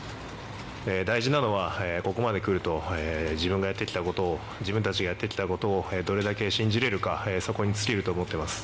大事なのは、ここまでくると自分がやってきたことを自分たちがやってきたことをどれだけ信じれるかそこに尽きると思っています。